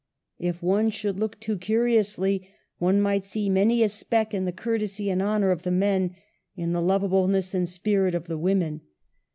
If one should look too curiously, one might see many a speck in the courtesy and honor of the men, in the lovableness and spirit of the women.